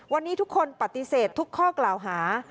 วันนี้ทุกคนปฏิเสธทุกข้อกล่าวหา